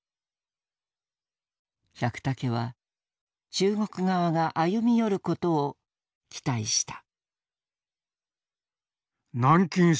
百武は中国側が歩み寄ることを期待した。